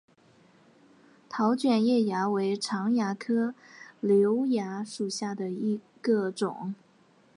桃卷叶蚜为常蚜科瘤蚜属下的一个种。